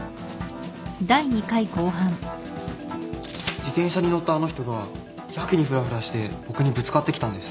自転車に乗ったあの人がやけにふらふらして僕にぶつかってきたんです。